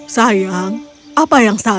sayang apa yang salah